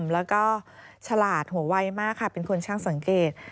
แล้วก็ฉลาดหัวไวมากค่ะเป็นคนช่างสังเกต